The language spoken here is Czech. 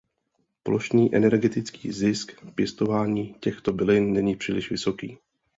Plošný energetický zisk pěstování těchto bylin není příliš vysoký.